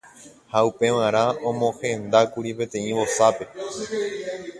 ha upevarã omohendákuri peteĩ vosápe